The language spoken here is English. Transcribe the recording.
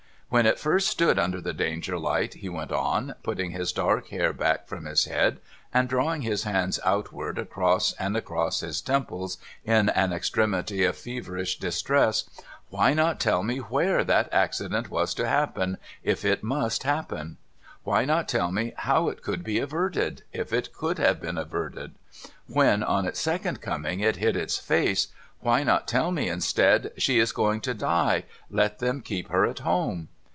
' When it first stood under the Danger light,' he went on, putting his dark hair back from his head, and drawing his hands outward across and across his temples in an extremity of feverish distress, ' why not tell me where that accident was to happen, — if it must happen ? Why not tell me how it could be averted, — if it could have been averted ? When on its second coming it hid its face, why not tell me, instead, " She is going to die. Let them keep her at home